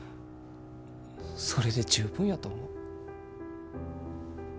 それで十分やと思う。